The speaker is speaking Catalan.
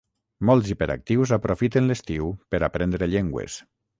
Molts hiperactius aprofiten l'estiu per aprendre llengües.